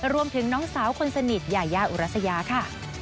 รวมถึงน้องสาวคนสนิทยายาอุรัสยาค่ะ